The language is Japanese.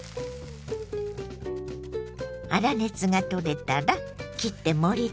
粗熱が取れたら切って盛りつけましょ。